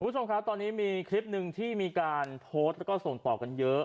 คุณผู้ชมครับตอนนี้มีคลิปหนึ่งที่มีการโพสต์แล้วก็ส่งต่อกันเยอะ